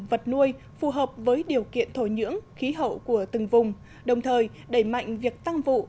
vật nuôi phù hợp với điều kiện thổ nhưỡng khí hậu của từng vùng đồng thời đẩy mạnh việc tăng vụ